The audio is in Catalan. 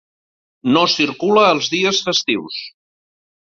No circula els dies festius.